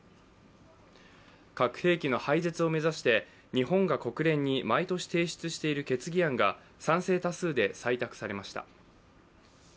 核兵器の廃絶を目指して日本が国連に毎年提出している決議案が賛成多数で採択されました。